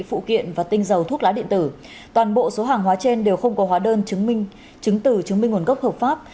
phụ kiện và tinh dầu thuốc lá điện tử toàn bộ số hàng hóa trên đều không có hóa đơn chứng tử chứng minh nguồn gốc hợp pháp